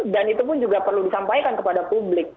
dan itu pun juga perlu disampaikan kepada publik